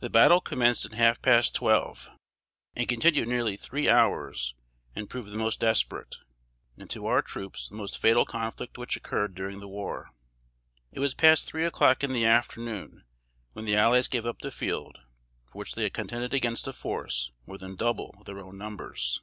The battle commenced at half past twelve M., and continued nearly three hours, and proved the most desperate, and to our troops the most fatal conflict which occurred during the war. It was past three o'clock in the afternoon when the allies gave up the field, for which they had contended against a force more than double their own numbers.